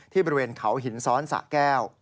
บริเวณเขาหินซ้อนสะแก้ว